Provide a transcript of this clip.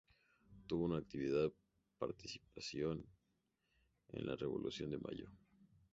Tuvo una activa participación en la Revolución de Mayo.